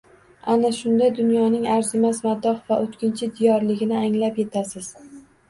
Ana shunda dunyoning arzimas matoh va o‘tkinchi diyorligini anglab yetasiz.